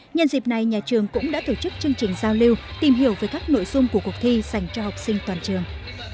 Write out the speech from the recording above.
nhân dịp này nhà trường cũng đã tổ chức chương trình giao lưu tìm hiểu về các nội dung của cuộc thi dành cho học sinh toàn trường